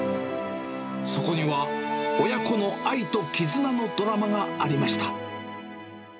そこには親子の愛と絆のドラマがありました。